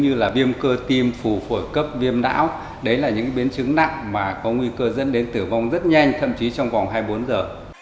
như là viêm cơ tim phủ phổi cấp viêm não đấy là những biến chứng nặng mà có nguy cơ dẫn đến tử vong rất nhanh thậm chí trong vòng hai mươi bốn giờ